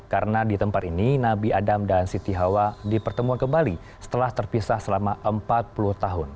karena di tempat ini nabi adam dan siti hawa dipertemuan kembali setelah terpisah selama empat puluh tahun